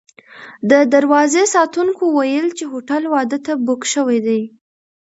د دروازې ساتونکو ویل چې هوټل واده ته بوک شوی دی.